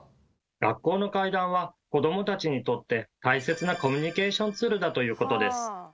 学校の怪談は子どもたちにとって大切なコミュニケーションツールだということです。